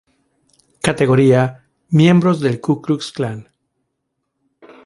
CategoríaːMiembros del Ku Klux Klan